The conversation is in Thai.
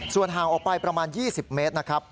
ส่วนห่างออกไปประมาณ๒๐เมตรนะครับ